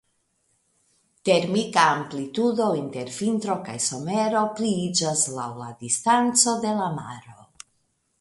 Termika amplitudo inter vintro kaj somero pliiĝas laŭ la distanco de la maro.